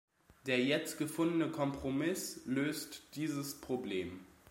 Der jetzt gefundene Kompromiss löst dieses Problem.